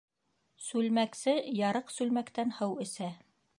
Сүлмәксе ярыҡ сүлмәктән һыу эсә.